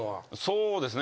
そうですね。